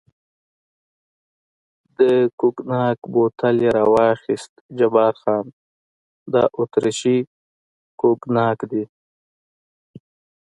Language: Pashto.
د کوګناک بوتل یې را واخیست، جبار خان: دا اتریشي کوګناک دی.